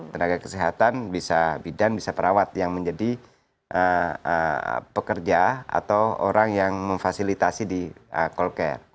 tenaga kesehatan bisa bidan bisa perawat yang menjadi pekerja atau orang yang memfasilitasi di call care